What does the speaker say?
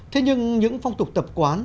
thế nhưng những phong tục tập quán